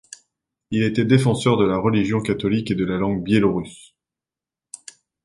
Il était défenseur de la religion catholique et de la langue biélorusse.